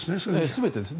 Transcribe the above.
全てです。